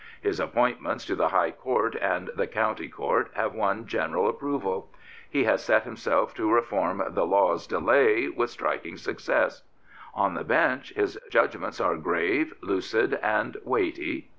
His appointments to the High Court and the County Court have won general approval. He has set himself to reform the law's delay " with striking success. On the bench his judgments are grave, lucid, and weighty.